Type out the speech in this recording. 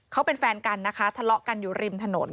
เขาเป็นแฟนกันนะคะทะเลาะกันอยู่ริมถนน